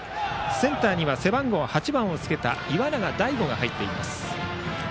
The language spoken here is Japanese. センターには背番号８番をつけた岩永大吾が入っています。